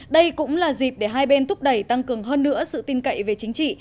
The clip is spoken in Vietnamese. đây cũng là dịp để hai bên thúc đẩy tăng cường hơn nữa sự tin cậy về chính trị